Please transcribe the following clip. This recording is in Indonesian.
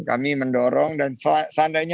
kami mendorong dan seandainya